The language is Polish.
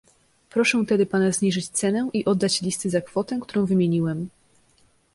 "Proszę tedy pana zniżyć cenę i oddać listy za kwotę, którą wymieniłem."